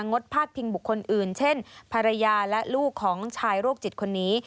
ดพาดพิงบุคคลอื่นเช่นภรรยาและลูกของชายโรคจิตคนนี้